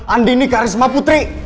andin nih karisma putri